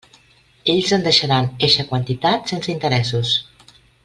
Ell ens deixaria eixa quantitat sense interessos.